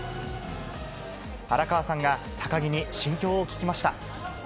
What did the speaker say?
荒川さんが高木に心境を聞きました。